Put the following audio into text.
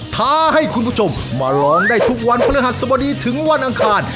ท้าให้คุณผู้ชมมาลองได้ทุกวันพฤหัสสบดีถึงวันอังคาร